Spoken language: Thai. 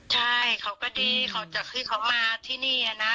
ใช่เขาก็ดีเขามาที่นี่นะ